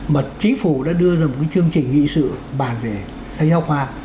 mà chính phủ đã đưa ra một cái chương trình nghị sự bàn về sách giáo khoa